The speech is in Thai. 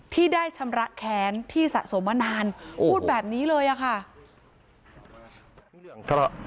ที่ได้ชำระแค้นที่สะสมมานานพูดแบบนี้เลยอะค่ะ